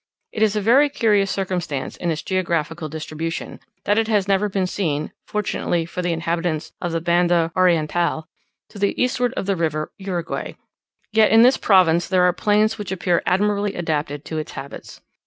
It is a very curious circumstance in its geographical distribution, that it has never been seen, fortunately for the inhabitants of Banda Oriental, to the eastward of the river Uruguay: yet in this province there are plains which appear admirably adapted to its habits.